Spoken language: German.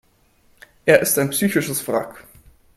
Er ist ein psychisches Wrack.